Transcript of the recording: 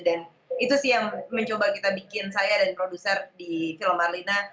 dan itu sih yang mencoba kita bikin saya dan produser di film marlina